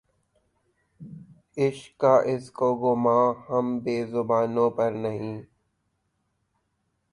عشق کا‘ اس کو گماں‘ ہم بے زبانوں پر نہیں